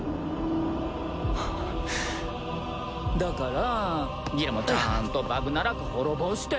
だからギラもちゃんとバグナラク滅ぼして。